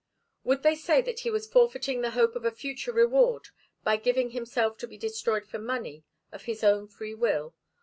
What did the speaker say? Would they say that he was forfeiting the hope of a future reward by giving himself to be destroyed for money, of his own free will?